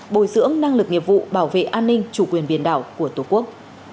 bồi dưỡng năng lực nghiệp vụ bảo vệ an ninh chủ quyền biển đảo của tổ quốc